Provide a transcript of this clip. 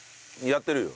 やってるよ。